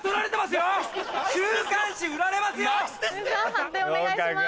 判定お願いします。